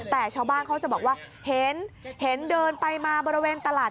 แต่ชาวบ้านเขาจะบอกว่าเห็นเห็นเดินไปมาบริเวณตลาด